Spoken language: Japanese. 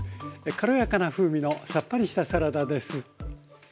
軽やかな風味のさっぱりしたサラダです。